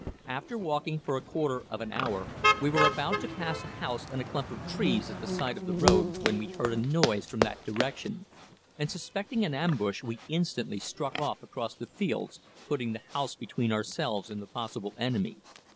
After walking for a quarter of an hour, we were about to pass a house and a clump of trees at the side of the road when we heard a noise from that direction, and suspecting an ambush we instantly struck off across the fields, putting the house between ourselves and the possible enemy.